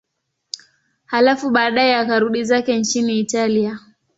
Halafu baadaye akarudi zake nchini Italia.